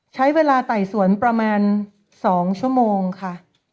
ใช้เวลาไต่สวนประมาณ๒ชั่วโมงค่ะ